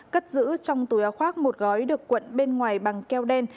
cất giữ trong túi áo khoác một gói được cuộn bên ngoài bằng keo đen